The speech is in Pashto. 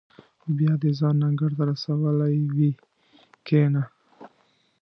او بیا دې ځان انګړ ته رسولی وي کېنه.